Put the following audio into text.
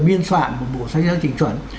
biên soạn một bộ giáo chỉnh chuẩn